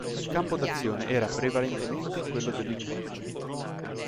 Il campo d'azione era prevalentemente quello del linguaggio.